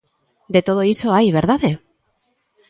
De todo iso hai, ¿verdade?